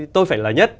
tôi phải là nhất